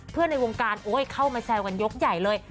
ในวงการเข้ามาแซวกันยกใหญ่เลย